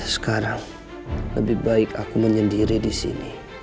sekarang lebih baik aku menyendiri di sini